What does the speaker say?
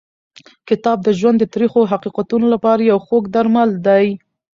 کتاب د ژوند د تریخو حقیقتونو لپاره یو خوږ درمل دی.